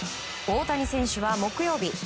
大谷選手は木曜日。